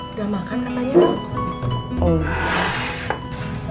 udah makan katanya